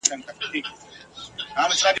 وو ریښتونی په ریشتیا په خپل بیان کي !.